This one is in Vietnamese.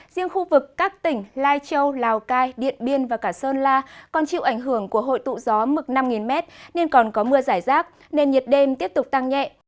riêng khu vực các tỉnh lai châu lào cai điện biên và cả sơn la còn chịu ảnh hưởng của hội tụ gió mực năm m nên còn có mưa giải rác nên nhiệt đêm tiếp tục tăng nhẹ